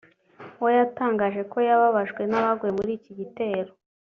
we yatangaje ko yababajwe n’abaguye muri iki gitero